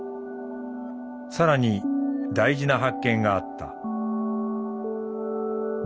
更に大事な発見があった。